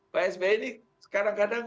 pak sby ini kadang kadang